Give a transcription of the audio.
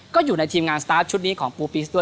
ก็อยู่ในทีมงานสตาร์ทชุดนี้ของปูปิสด้วย